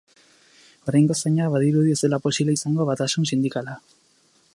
Oraingoz, baina, badirudi ez dela posible izango batasun sindikala.